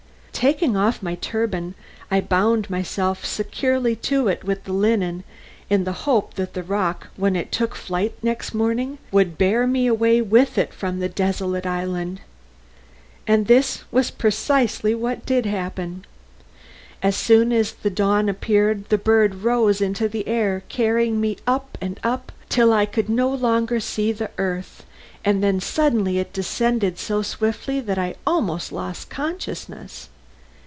Taking off my turban I bound myself securely to it with the linen in the hope that the roc, when it took flight next morning, would bear me away with it from the desolate island. And this was precisely what did happen. As soon as the dawn appeared the bird rose into the air carrying me up and up till I could no longer see the earth, and then suddenly it descended so swiftly that I almost lost consciousness.